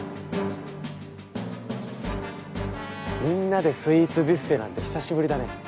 みんなでスイーツビュッフェなんて久しぶりだね。